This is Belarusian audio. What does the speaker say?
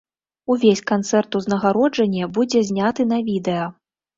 Увесь канцэрт-узнагароджанне будзе зняты на відэа.